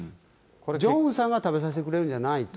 ジョンウンさんが食べさせてくれるんじゃないと。